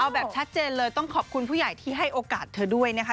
เอาแบบชัดเจนเลยต้องขอบคุณผู้ใหญ่ที่ให้โอกาสเธอด้วยนะคะ